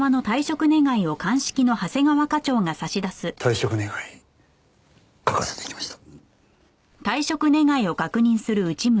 退職願書かせてきました。